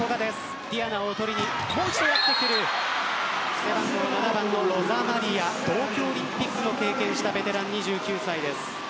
背番号７番のロザマリア東京オリンピックを経験したベテラン２９歳です。